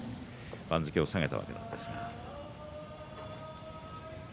番付を下げたわけですが。